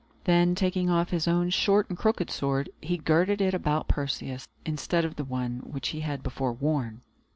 Then, taking off his own short and crooked sword, he girded it about Perseus, instead of the one which he had before worn.